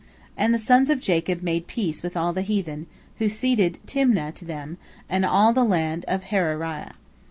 And the sons of Jacob made peace with the heathen, who ceded Timna to them, and all the land of Harariah.